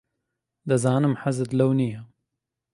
دەزانم حەزت لەو نییە.